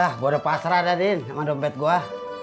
ah bodoh pasrah dari nama dompet gua